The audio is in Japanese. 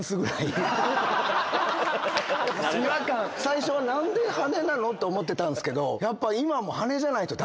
最初は何で羽根なの？って思ってたんすけど。